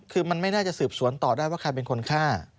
คือมันไม่น่าจะสืบสวนต่อได้ว่าใครเป็นคนฆ่า